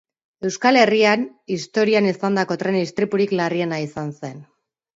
Euskal Herrian historian izandako tren istripurik larriena izan zen.